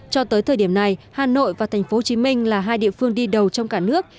cho tới thời điểm này hà nội và tp hcm là hai địa phương đi đầu trong cả nước